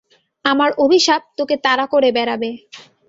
আমার অভিশাপ তোকে তাড়া করে বেড়াবে।